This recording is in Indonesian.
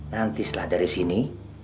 nanti setelah dari sini